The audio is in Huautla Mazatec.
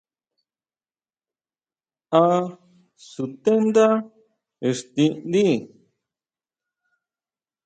¿Á sutendá íxtiʼndí?